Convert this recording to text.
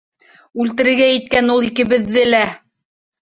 Үлтерергә иткән ул икебеҙҙе лә!